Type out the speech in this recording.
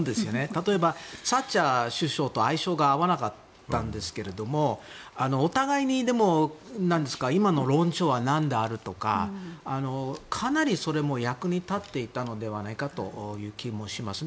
例えば、サッチャー首相と相性が合わなかったんですけれどもお互いに、でも今の論調は何であるとかかなりそれも役に立っていたのではないかという気もします。